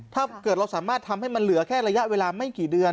ถ้าเกิดเราสามารถทำให้มันเหลือแค่ระยะเวลาไม่กี่เดือน